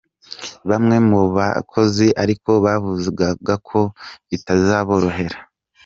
Bamwe mubakozi ariko bavuga ko bitazaborohera.